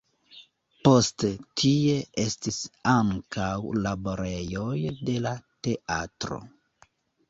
Poste tie estis ankaŭ laborejoj de la teatro.